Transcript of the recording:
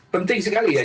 penting sekali ya